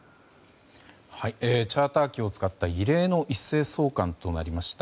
チャーター機を使った異例の一斉送還となりました。